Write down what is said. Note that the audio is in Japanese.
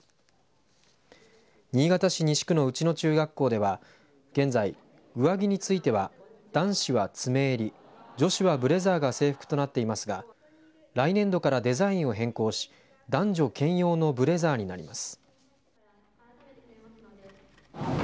新潟市西区の内野中学校では現在、上着については男子は詰め襟女子はブレザーが制服となっていますが来年度からデザインを変更し男女兼用のブレザーになります。